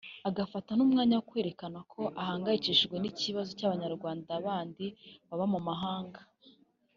agafata n’umwanya wo kwerekana ko ahangayikishijwe n’ikibazo cy’Abanyarwanda bandi baba mu mahanga